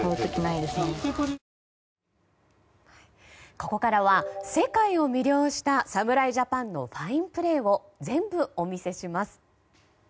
ここからは世界を魅了した侍ジャパンのファインプレーを全部、お見せします。